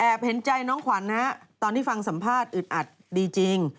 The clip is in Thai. เห็นใจน้องขวัญนะตอนที่ฟังสัมภาษณ์อึดอัดดีจริง